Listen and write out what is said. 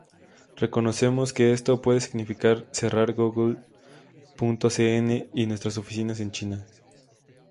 Reconocemos que esto pueda significar cerrar Google.cn y nuestras oficinas en China.